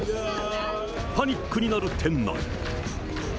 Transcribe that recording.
パニックになる店内。